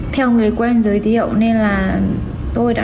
theo người quen giới thiệu nên là tôi đã